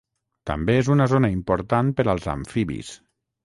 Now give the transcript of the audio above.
També és una zona important per als amfibis.